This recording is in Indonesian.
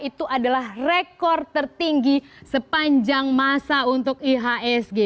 itu adalah rekor tertinggi sepanjang masa untuk ihsg